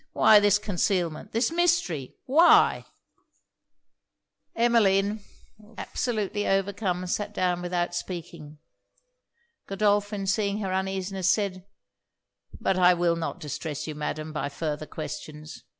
why this concealment, this mystery? why ' Emmeline, absolutely overcome, sat down without speaking. Godolphin, seeing her uneasiness, said 'But I will not distress you, Madam, by farther questions.